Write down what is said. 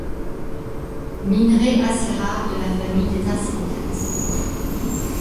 Minerai assez rare, de la famille des arséniates.